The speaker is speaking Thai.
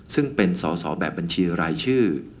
ซึ่งเป็นสอสอแบบบัญชีรายชื่อ